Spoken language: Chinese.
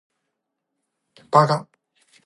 八嘎！